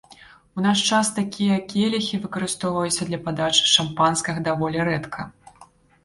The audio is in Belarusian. У наш час такія келіхі выкарыстоўваюцца для падачы шампанскага даволі рэдка.